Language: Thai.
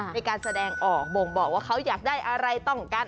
ในการแสดงออกบ่งบอกว่าเขาอยากได้อะไรต้องการ